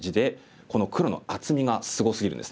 この黒の厚みがすごすぎるんですね。